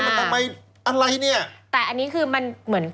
แต่อันนี้คือมันเหมือน